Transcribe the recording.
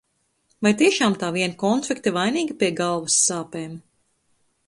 Vai tiešām tā viena konfekte vainīga pie galvas sāpēm?